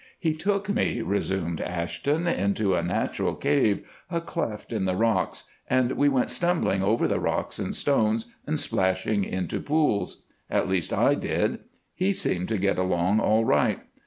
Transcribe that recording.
"He took me," resumed Ashton, "into a natural cave, a cleft in the rocks, and we went stumbling over the rocks and stones, and splashing into pools. At least I did. He seemed to get along all right.